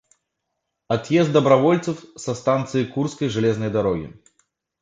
Отъезд добровольцев со станции Курской железной дороги.